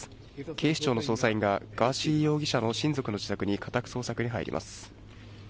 警視庁の捜査員が、ガーシー容疑者の親族の自宅に家宅捜索に入ります。